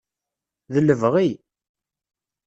D lebɣi.